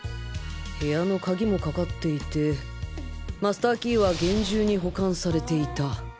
部屋の鍵もかかっていてマスターキーは厳重に保管されていた